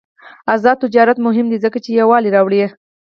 آزاد تجارت مهم دی ځکه چې یووالي راوړي.